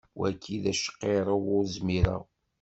Wagi d acqirrew ur zmireɣ.